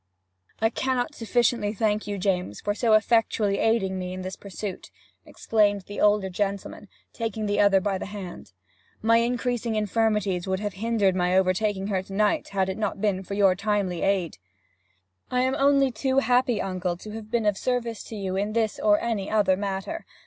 'I cannot sufficiently thank you, James, for so effectually aiding me in this pursuit!' exclaimed the old gentleman, taking the other by the hand. 'My increasing infirmities would have hindered my overtaking her to night, had it not been for your timely aid.' 'I am only too happy, uncle, to have been of service to you in this or any other matter.